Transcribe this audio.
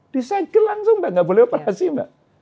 disegel langsung mbak nggak boleh operasi mbak